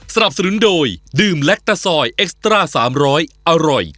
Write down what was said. สวัสดีโอ้โหลูนิดหาย